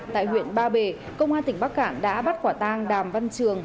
tại huyện ba bể công an tỉnh bắc cạn đã bắt quả tang đàm văn trường